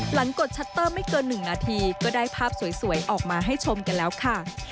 กดชัตเตอร์ไม่เกิน๑นาทีก็ได้ภาพสวยออกมาให้ชมกันแล้วค่ะ